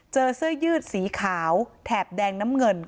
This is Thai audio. เสื้อยืดสีขาวแถบแดงน้ำเงิน